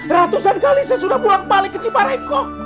ratusan kali saya sudah bulan balik ke cipareng kang